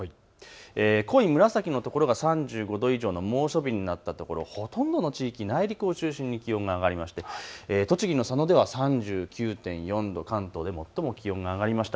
濃い紫の所が３５度以上の猛暑日になったところ、ほとんどの地域、内陸を中心に気温が上がりまして栃木の佐野では３９．４度、関東で最も気温が上がりました。